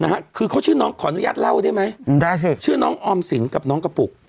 นะฮะคือเขาชื่อน้องขออนุญาตเล่าได้ไหมอืมได้เถอะชื่อน้องออมสินกับน้องกระปุก